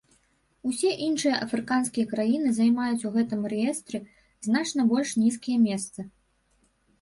Усе іншыя афрыканскія краіны займаюць у гэтым рэестры значна больш нізкія месцы.